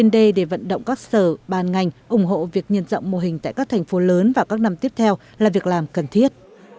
đề để vận động các sở ban ngành ủng hộ việc nhân rộng mô hình tại các thành phố lớn vào các năm tiếp theo là việc làm cần thiết